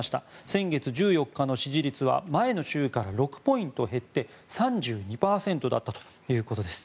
先月１４日の支持率は前の週から６ポイント減って３２％だったということです。